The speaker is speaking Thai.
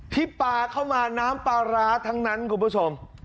ที่ปลาเข้ามาน้ำปลาร้าทั้งนั้นคุณผู้ชม